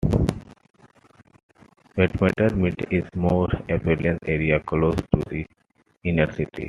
Weitmar-Mitte is a more affluent area close to the inner city.